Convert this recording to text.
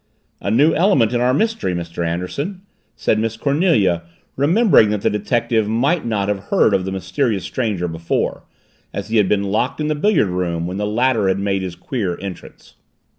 "A new element in our mystery, Mr. Anderson," said Miss Cornelia, remembering that the detective might not have heard of the mysterious stranger before as he had been locked in the billiard room when the latter had made his queer entrance.